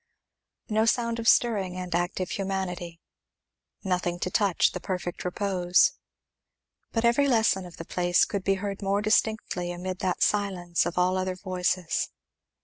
No sound of stirring and active humanity. Nothing to touch the perfect repose. But every lesson of the place could be heard more distinctly amid that silence of all other voices.